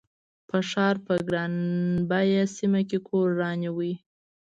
په ښار په ګران بیه سیمه کې کور رانیوه.